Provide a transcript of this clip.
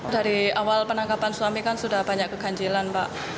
dari awal penangkapan suami kan sudah banyak keganjilan pak